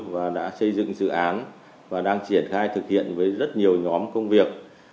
và đã xây dựng dự án và đang triển khai thực hiện với rất nhiều nhóm công việc